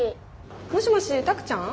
もしもしタクちゃん？